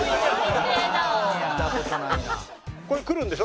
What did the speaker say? ここへ来るんでしょ？